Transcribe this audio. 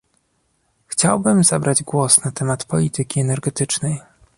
Chciałbym zabrać głos na temat polityki energetycznej